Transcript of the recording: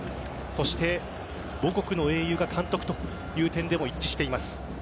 そして母国の英雄が監督という点でも一致しています。